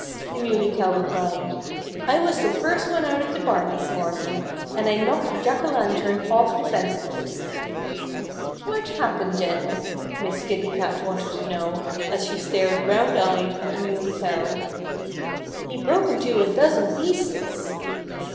the Muley Cow replied. "I was the first one out of the barn this morning. And I knocked Jack O'Lantern off the fence post." "What happened then?" Miss Kitty Cat wanted to know, as she stared round eyed at the Muley Cow. "He broke into a dozen pieces."